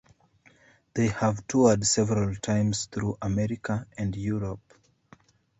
They have toured several times through America and Europe.